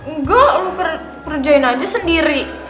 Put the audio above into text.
enggak lo kerjain aja sendiri